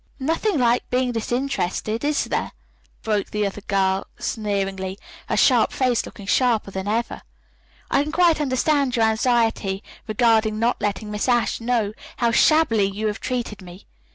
"Nothing like being disinterested, is there?" broke in the other girl sneeringly, her sharp face looking sharper than ever. "I can quite understand your anxiety regarding not letting Miss Ashe know how shabbily you have treated me.